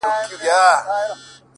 • بيزو وان پكښي تنها ولاړ هك پك وو,